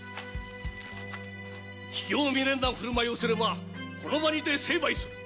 卑怯未練な振る舞いをすればこの場にて成敗する。